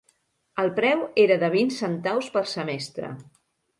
El preu era de vint centaus per semestre.